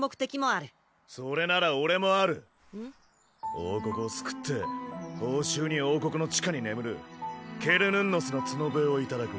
王国を救って報酬に王国の地下に眠る「ケルヌンノスの角笛」を頂く。